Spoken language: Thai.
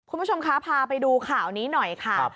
คุณผู้ชมคะพาไปดูข่าวนี้หน่อยค่ะ